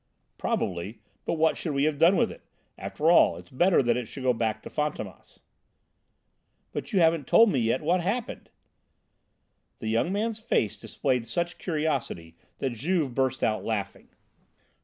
"Probably, but what should we have done with it? After all, it's better that it should go back to Fantômas." "But you haven't yet told me what happened!" The young man's face displayed such curiosity that Juve burst out laughing.